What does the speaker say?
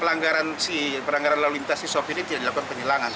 dengan menerima jadi pelanggaran lalu lintas si sopir ini tidak dilakukan penyelangan